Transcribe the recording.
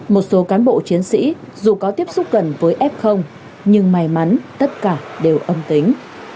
một số cán bộ chiến sĩ dù có tiếp xúc gần với f nhưng may mắn tất cả đều âm tính